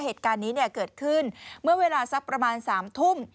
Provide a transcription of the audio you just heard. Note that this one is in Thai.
เหตุการณ์นี้เกิดขึ้นเมื่อเวลาสักประมาณ๓ทุ่ม